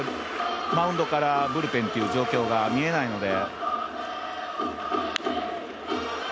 マウンドからブルペンの状況が見えないので。